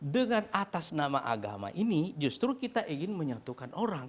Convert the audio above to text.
dengan atas nama agama ini justru kita ingin menyatukan orang